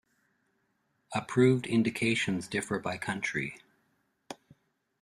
Approved indications differ by country.